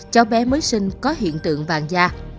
cháu bé mới sinh có hiện tượng vàng da